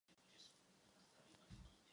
Již druhý týden po vydání se stalo platinovým.